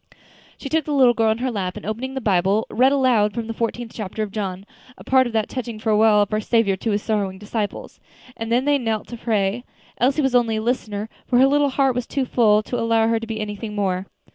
She took the little girl in her lap, and opening the Bible, read aloud the fourteenth chapter of John, a part of that touching farewell of our Saviour to His sorrowing disciples; and then they knelt to pray. Elsie was only a listener, for her little heart was too full to allow her to be anything more.